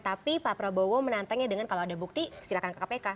tapi pak prabowo menantangnya dengan kalau ada bukti silahkan ke kpk